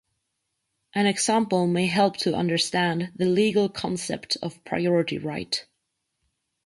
An example may help to understand the legal concept of priority right.